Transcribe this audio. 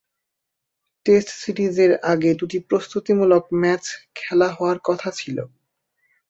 Test সিরিজের আগে দুটি প্রস্তুতিমূলক ম্যাচ খেলা হওয়ার কথা ছিল।